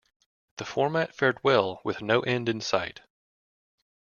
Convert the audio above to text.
The format fared well with no end in sight.